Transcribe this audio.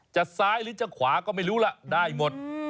ซ้ายหรือจะขวาก็ไม่รู้ล่ะได้หมด